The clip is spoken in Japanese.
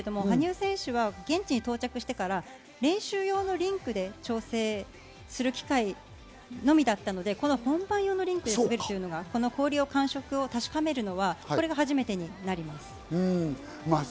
羽生選手は現地に到着してから、練習用のリンクで調整する機会のみだったので、本番用のリンクで滑っているのが氷の感触を確かめるのはこれが初めてです。